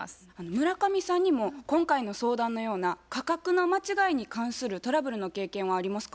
村上さんにも今回の相談のような価格の間違いに関するトラブルの経験はありますか？